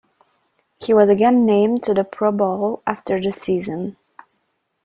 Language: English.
He was again named to the Pro Bowl after the season.